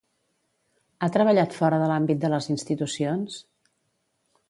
Ha treballat fora de l'àmbit de les institucions?